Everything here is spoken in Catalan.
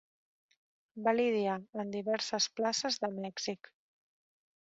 Va lidiar en diverses places de Mèxic.